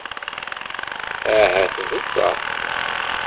Ahat d ṣṣeḥ.